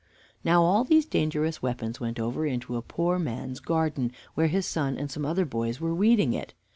Now all these dangerous weapons went over into a poor man's garden, where his son and some other boys were weeding it.